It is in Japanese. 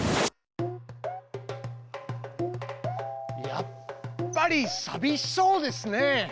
やっぱりさびしそうですね。